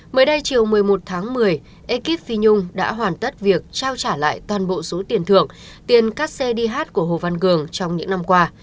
mới đây chiều một mươi một tháng một mươi ekip phi nhung đã hoàn tất việc trao trả lại toàn bộ số tiền thưởng tiền các xe đi hát của hồ văn cường trong những năm qua